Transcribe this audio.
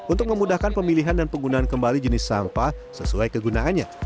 untuk memudahkan pemilihan dan penggunaan kembali jenis sampah sesuai kegunaannya